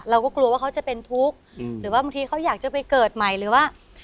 เราก็กลัวว่าเขาจะเป็นทุกข์หรือว่าบางทีเขาอยากจะไปเกิดใหม่หรือว่า